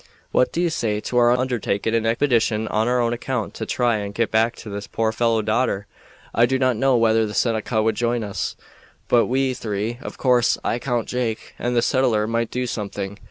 What do you say to our undertaking an expedition on our own account to try and get back this poor fellow's daughter? I do not know whether the Seneca would join us, but we three of course I count Jake and the settler might do something.